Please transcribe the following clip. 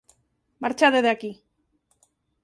Marchade de aquí.